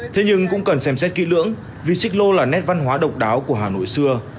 thế nhưng cũng cần xem xét kỹ lưỡng vì xích lô là nét văn hóa độc đáo của hà nội xưa